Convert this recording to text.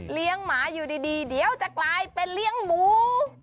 หมาอยู่ดีเดี๋ยวจะกลายเป็นเลี้ยงหมู